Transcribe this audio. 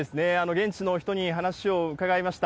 現地の人に話を伺いました。